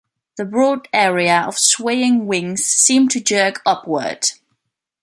The broad area of swaying wings seemed to jerk upward.